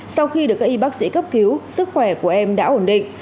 sau khi được các y bác sĩ cấp cứu sức khỏe của em đã ổn định